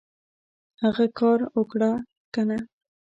هغه کار اوکړه کنه !